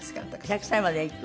１００歳までいく？